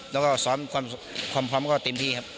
แล้วก็ซ้อมความพร้อมก็เต็มที่ครับ